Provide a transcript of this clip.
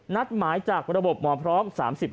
นัดหมายจากระบบหมอพร้อม๓๕